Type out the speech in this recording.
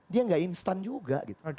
dia nggak instan juga gitu